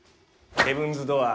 ヘブンズ・ドアー。